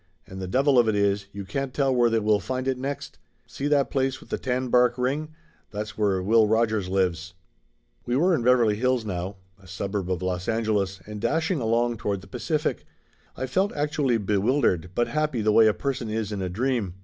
And the devil of it is, you can't tell where they will find it next. See that place with the tan bark ring? That's where Will Rogers lives." We were in Beverly Hills now, a suburb of Los Angeles, and dashing along toward the Pacific. I felt actually bewildered, but happy the way a person is in a dream.